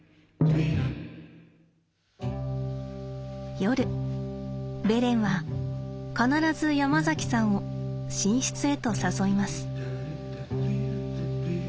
夜ベレンは必ずヤマザキさんを寝室へと誘います。